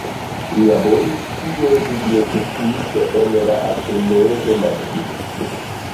Li laboris kiel bibliotekisto en la Ateneo de Madrid.